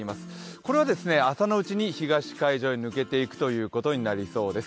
これは朝のうちに東海上に抜けていくことになりそうです。